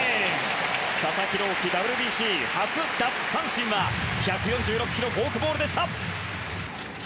佐々木朗希、ＷＢＣ初奪三振は１４６キロフォークボールでした。